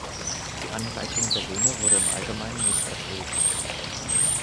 Die Angleichung der Löhne wurde im Allgemeinen nicht erfüllt.